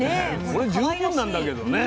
これで十分なんだけどね。